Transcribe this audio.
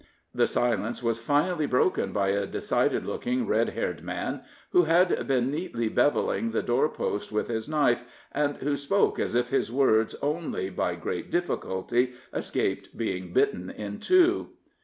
The silence was finally broken by a decided looking red haired man, who had been neatly beveling the door post with his knife, and who spoke as if his words only by great difficulty escaped being bitten in two.